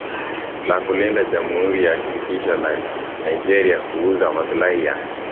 la kulinda Jamhuri ya Shirikisho ya Nigeria kukuza maslahi ya